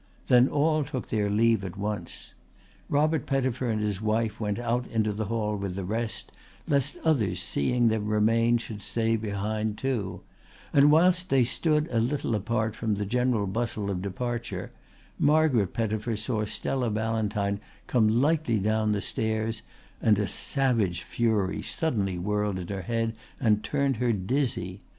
Then all took their leave at once. Robert Pettifer and his wife went out into the hall with the rest, lest others seeing them remain should stay behind too; and whilst they stood a little apart from the general bustle of departure Margaret Pettifer saw Stella Ballantyne come lightly down the stairs, and a savage fury suddenly whirled in her head and turned her dizzy.